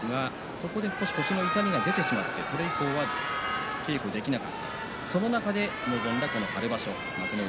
そこで腰の痛みが出てしまって稽古ができなかった、その中で臨んだ春場所幕内